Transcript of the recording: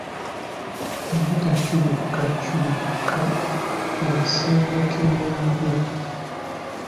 Ebitakyukakykuka mu busengeke bwabyo.